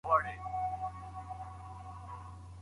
هغه د دوی د کړنو په مقابل کي ورته وايي.